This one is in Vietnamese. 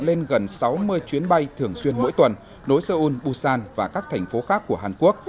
lên gần sáu mươi chuyến bay thường xuyên mỗi tuần nối seoul busan và các thành phố khác của hàn quốc